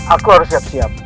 aku harus siap siap